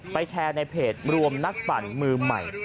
แชร์ในเพจรวมนักปั่นมือใหม่